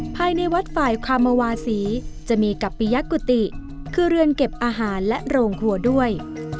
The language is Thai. ภายในวัดฝ่ายคามวาศีจะมีกับปิยกุฏิคือเรือนเก็บอาหารและโรงครัวด้วย